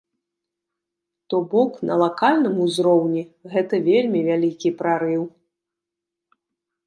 То бок, на лакальным узроўні гэта вельмі вялікі прарыў.